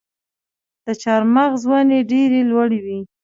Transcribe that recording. د چهارمغز ونې ډیرې لوړې وي.